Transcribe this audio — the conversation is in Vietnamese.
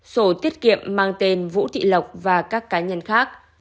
sổ tiết kiệm mang tên vũ thị lộc và các cá nhân khác